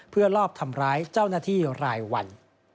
เพื่อลอบทำร้ายเจ้าหน้าที่รายวัน